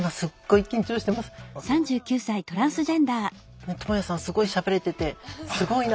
もう何かともやさんすごいしゃべれててすごいな。